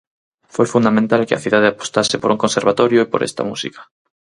Foi fundamental que a cidade apostase por un conservatorio e por esta música.